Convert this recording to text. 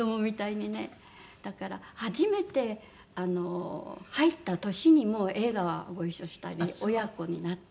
だから初めて入った年にもう映画ご一緒したり親子になったり。